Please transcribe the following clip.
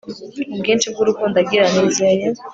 ubwinshi bw'urukundo agira, nizeye